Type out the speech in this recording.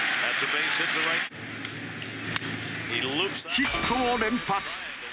ヒットを連発！